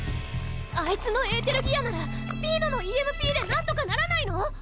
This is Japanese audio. あいつのエーテルギアならピーノのＥＭＰで何とかならないの？